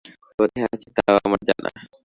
কোথায় আছে তাও আমার জানা।